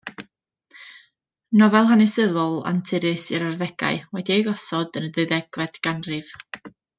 Nofel hanesyddol anturus i'r arddegau, wedi ei gosod yn y ddeuddegfed ganrif.